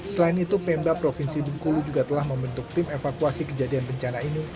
selain itu pemda provinsi bengkulu juga telah membentuk tim evakuasi kejadian bencana ini